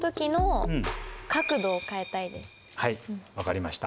はい分かりました。